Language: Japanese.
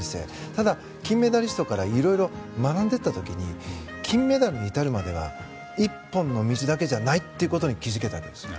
ただ、金メダリストからいろいろ学んでいった時に金メダルに至るまでは一本の道だけではないと気づけたわけです。